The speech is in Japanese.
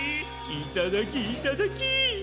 いただきいただき。